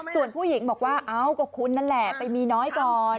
ส่วนผู้หญิงบอกว่าเอ้าก็คุณนั่นแหละไปมีน้อยก่อน